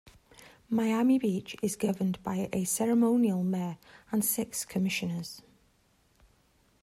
Miami Beach is governed by a ceremonial mayor and six commissioners.